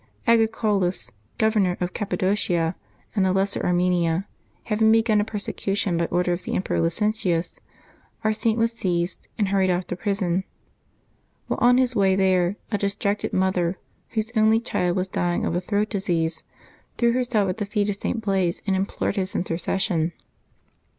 Agricolaus, Governor of Cappadocia and the Lesser Armenia, having begun a persecution by order of the Emperor Licinius, our Saint was seized and hurried off to prison. While on his way there, a distracted mother, whose only child was dying of a throat disease, threw herself at the feet of St. Blase and implored his intercession.